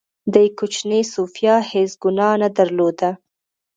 دې کوچنۍ سوفیا هېڅ ګناه نه درلوده